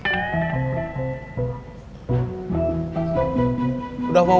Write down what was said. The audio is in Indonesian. sudah mau wakib